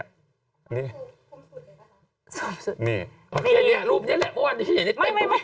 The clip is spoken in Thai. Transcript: โอเครูปนี้แหละเพราะว่านี้เต็มหรือไม่โตเลย